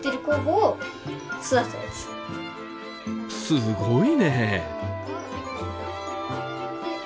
すごいね！